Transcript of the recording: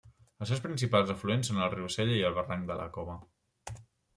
Els seus principals afluents són el riu Sella i el barranc de la Cova.